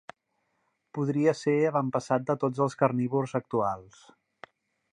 Podria ser avantpassat de tots els carnívors actuals.